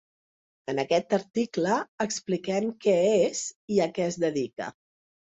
En aquest article expliquem què és i a què es dedica.